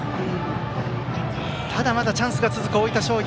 ただ、まだチャンスが続く大分商業。